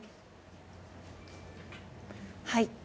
はい。